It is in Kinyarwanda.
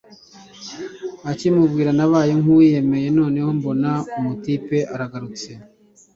akibimbwira nabaye nkuwiyemeye noneho mbona wamutyipe aragarutse